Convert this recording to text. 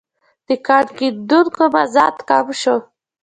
د کان کیندونکو مزد کم شو.